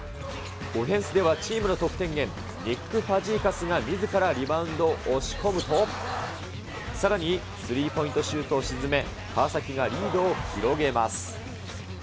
オフェンスではチームの得点源、ニック・ファジーカスがみずからリバウンドを押し込むと、さらに、スリーポイントシュートを沈め、川崎がリードを広げます。